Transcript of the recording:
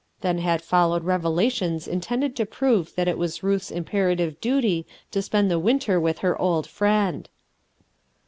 Then had followed reve lations intended to prove that it was Ruth s imperative duty to spend the winter with her old friend.